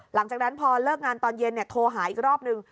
หลังจากนั้นพอเลิกงานตอนเย็นโทรหาอีกรอบนึง